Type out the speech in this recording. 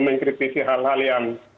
mengkritisi hal hal yang